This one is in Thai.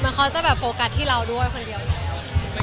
มันเขาจะโฟกัสที่เราด้วยคนเดียวแล้ว